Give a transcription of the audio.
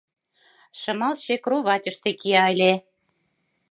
Шымалче кроватьыште кия ыле.